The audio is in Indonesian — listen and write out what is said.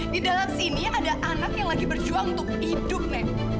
di dalam sini ada anak yang lagi berjuang untuk hidup nih